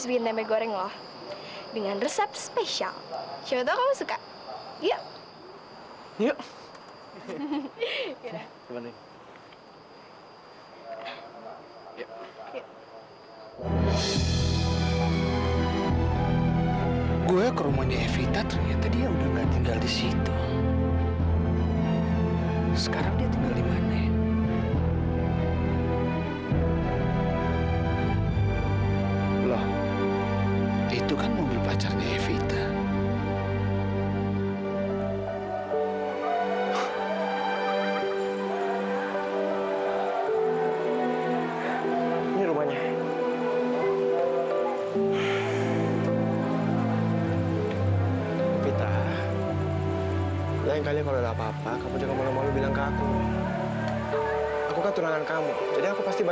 kamu jangan terlalu memaksakan untuk melakukan sesuatu pelan pelan aja kamu pasti bisa